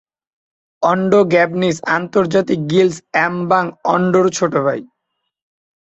ওন্ডো গ্যাবনিজ আন্তর্জাতিক গিলস এমবাং ওন্ডোর ছোট ভাই।